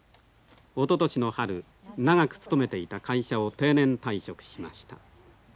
おととしの春長く勤めていた会社を定年退職しました。